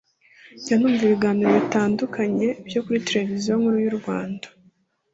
njya numva ibiganiro bitandukanye byo kuri televiziyo nkuru y’ u rwanda